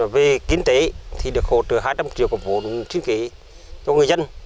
về kiến tế thì được hỗ trợ hai trăm linh triệu của vốn chuyên kế cho người dân